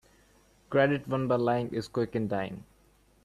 Credit won by lying is quick in dying.